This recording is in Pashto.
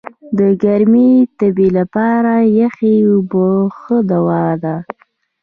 د ګرمي تبي لپاره یخي اوبه ښه دوا ده.